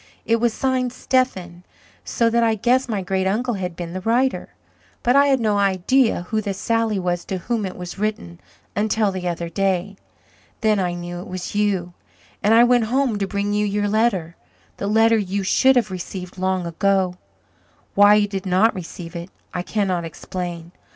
It was signed 'Stephen,' so that I guessed my great uncle had been the writer, but I had no idea who the Sally was to whom it was written, until the other day. Then I knew it was you and I went home to bring you your letter the letter you should have received long ago. Why you did not receive it I cannot explain.